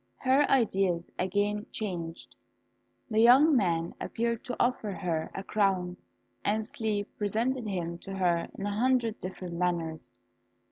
Her ideas again changed, the young man appeared to offer her a crown, and sleep presented him to her in a hundred different manners.